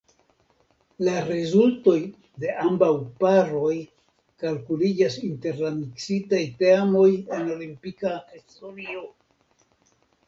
La rezultoj de ambaŭ paroj kalkuliĝas inter la miksitaj teamoj en olimpika historio.